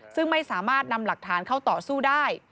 ซึ่งไม่สามารถนำหลักฐานเข้าต่อสู้ได้